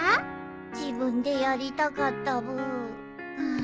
自分でやりたかったブー。